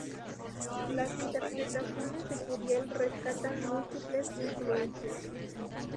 Las interpretaciones de Curiel rescatan múltiples influencias.